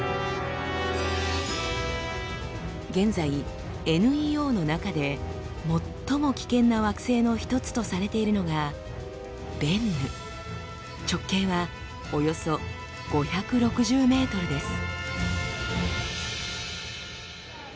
現在ＮＥＯの中で最も危険な惑星の一つとされているのがベンヌ直径はおよそ５６０ｍです。